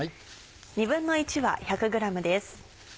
１／２わ１００ｇです。